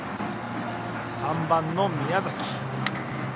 ３番の宮崎。